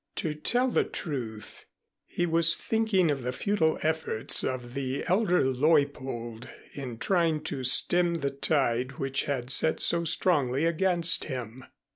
To tell the truth he was thinking of the futile efforts of the elder Leuppold in trying to stem the tide which had set so strongly against him.